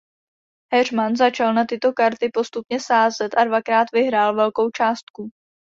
Heřman začal na tyto karty postupně sázet a dvakrát vyhrál velkou částku.